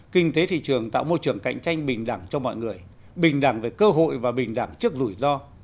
kinh tế thị trường tạo môi trường cạnh tranh bình đẳng cho mọi người bình đẳng về cơ hội và bình đẳng trước rủi ro